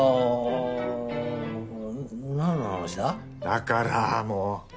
だからもう！